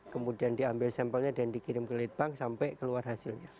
kemudian diambil sampelnya dan dikirim ke lead bank sampai keluar hasilnya